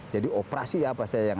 jadi operasi apa yang ada di sana